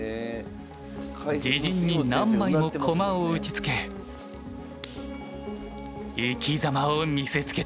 自陣に何枚も駒を打ちつけ生き様を見せつけた。